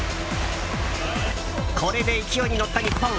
これで勢いに乗った日本。